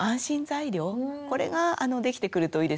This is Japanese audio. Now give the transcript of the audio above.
これができてくるといいですよね。